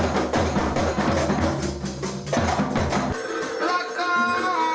musikalitas kas islami